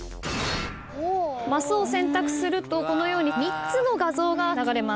マスを選択するとこのように３つの画像が流れます。